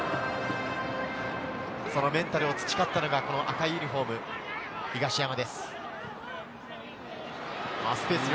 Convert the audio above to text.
そのメンタルを培ったのが赤いユニホーム・東山です。